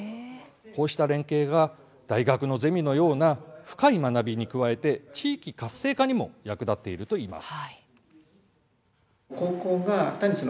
こうした連携が大学のゼミのような深い学びに加えて地域活性化にも役立っているといいます。